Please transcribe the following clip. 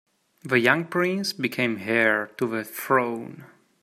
The young prince became heir to the throne.